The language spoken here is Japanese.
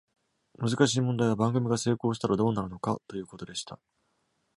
難しい問題は、番組が成功したらどうなるのかということでした。